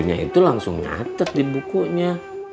nah itu langsung nyatet di bukunya